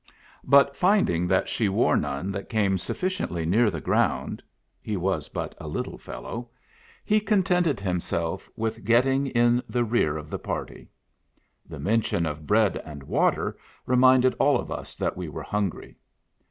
But finding that she wore none that came sufficiently near the ground (he was but a little fellow) he contented himself with getting in the rear of the party. The mention of bread and water reminded all of us that we were hungry.